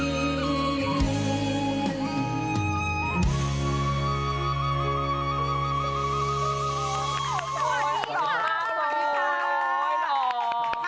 สวัสดีค่ะ